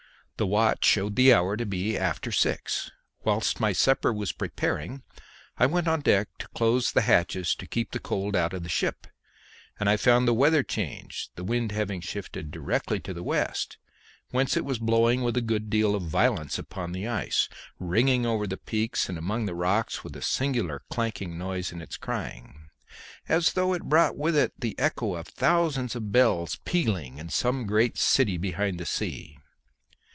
The watch showed the hour to be after six. Whilst my supper was preparing I went on deck to close the hatches to keep the cold out of the ship, and found the weather changed, the wind having shifted directly into the west, whence it was blowing with a good deal of violence upon the ice, ringing over the peaks and among the rocks with a singular clanking noise in its crying, as though it brought with it the echo of thousands of bells pealing in some great city behind the sea.